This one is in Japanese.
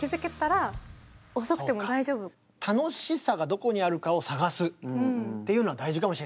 だから楽しさがどこにあるかを探すっていうのは大事かもしれないね。